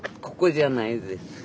ここじゃないです。